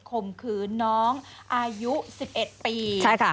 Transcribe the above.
คมคือน้องอายุ๑๑ปี